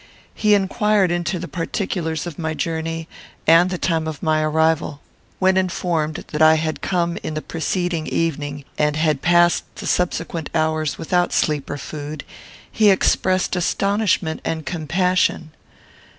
He inquired into the particulars of my journey, and the time of my arrival. When informed that I had come in the preceding evening, and had passed the subsequent hours without sleep or food, he expressed astonishment and compassion.